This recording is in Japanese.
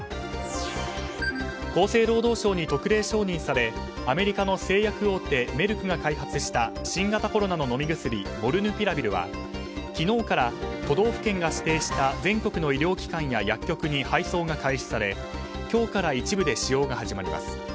厚生労働省に特例承認されアメリカの製薬大手メルクが開発した新型コロナの飲み薬モルヌピラビルは昨日から都道府県が指定した全国の医療機関や薬局に配送が開始され今日から一部で使用が始まります。